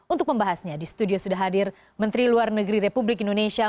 untuk membahasnya di studio sudah hadir menteri luar negeri republik indonesia